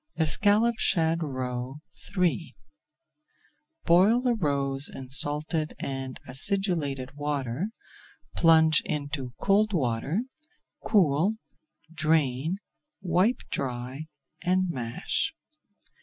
ESCALLOPED SHAD ROE III Boil the roes in salted and acidulated water, plunge into cold water, cool, drain, wipe dry, and mash.